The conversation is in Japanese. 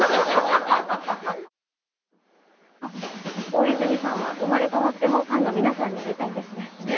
大泉さんは生まれ変わってもファンの皆さんに会いたいんですね。